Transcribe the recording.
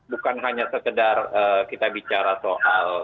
bukan hanya sekedar kita bicara soal